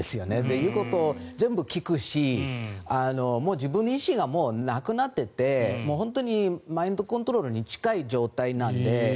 言うことを全部聞くし自分の意思がもうなくなってて本当にマインドコントロールに近い状態なので。